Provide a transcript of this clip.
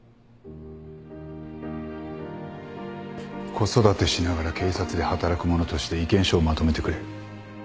子育てしながら警察で働く者として意見書をまとめてくれ。